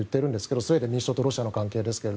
スウェーデン民主党とロシアの関係ですけど。